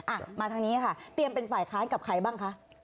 อ่ะมาทางนี้ค่ะเตรียมเป็นฝ่ายค้านกับใครบ้างคะ